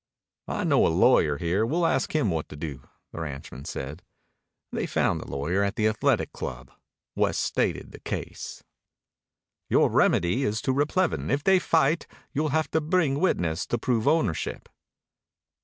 "I know a lawyer here. We'll ask him what to do," the ranchman said. They found the lawyer at the Athletic Club. West stated the case. "Your remedy is to replevin. If they fight, you'll have to bring witnesses to prove ownership."